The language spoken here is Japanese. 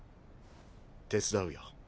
手伝うよ。